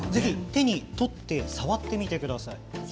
手に取って触ってみてください。